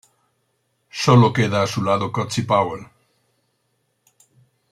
Solo queda a su lado Cozy Powell.